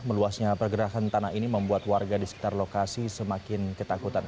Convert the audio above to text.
meluasnya pergerakan tanah ini membuat warga di sekitar lokasi semakin ketakutan